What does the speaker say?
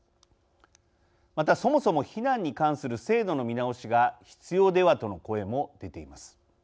また、そもそも避難に関する制度の見直しが必要ではとの声も出ています。